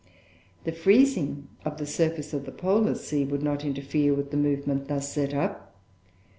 The freezing of the surface of the polar sea would not interfere with the movement thus set up.